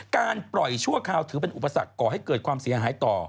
การปล่อยชั่วคราวถือเป็นอุปสรรคก่อให้เกิดความเสียหายต่อ